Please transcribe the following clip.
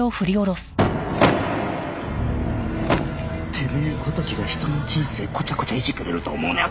てめえごときが人の人生こちゃこちゃいじくれると思うなよ！